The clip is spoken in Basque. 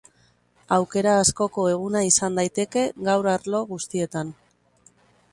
Aukera askoko eguna izan daiteke gaur arlo guztietan.